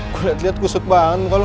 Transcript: gue liat liat kusut banget muka lu